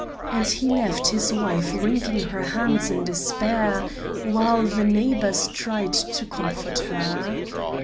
And he left his wife wringing her hands in despair, while the neighbors tried to comfort her.